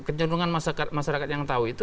nah kenyurungan masyarakat yang tahu itu